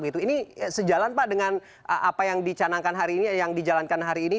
ini sejalan pak dengan apa yang dicanangkan hari ini yang dijalankan hari ini